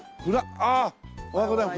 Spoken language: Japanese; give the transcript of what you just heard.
ああおはようございます。